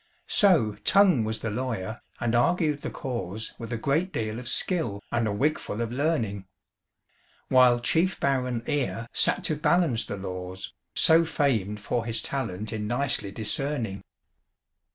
So Tongue was the lawyer, and argued the cause With a great deal of skill, and a wig full of learning; While chief baron Ear sat to balance the laws, So famed for his talent in nicely discerning.